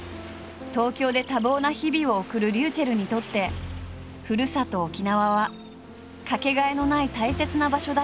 東京で多忙な日々を送るｒｙｕｃｈｅｌｌにとってふるさと沖縄はかけがえのない大切な場所だという。